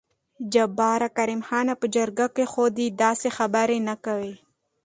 جبار: کريم خانه په جرګه کې خو دې داسې خبرې نه کوې.